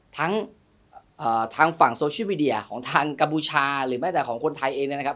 ทั้งฝั่งโซเชียลมีเดียของทางกะบูชาหรือไม่แต่ของคนไทยเองนะครับ